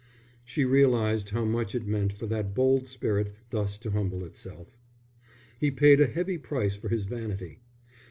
She realized how much it meant for that bold spirit thus to humble itself. He paid a heavy price for his vanity.